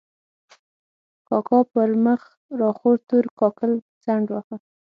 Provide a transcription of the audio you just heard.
کاکا پر مخ را خور تور کاکل څنډ واهه.